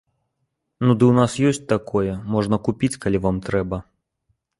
Ну ды ў нас ёсць такое, можна купіць, калі вам трэба.